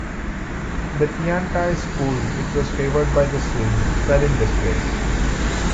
The Tiantai school, which was favoured by the Sui, fell in disgrace.